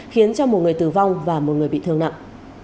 khiến cho một người tử vong và một người bị thương nặng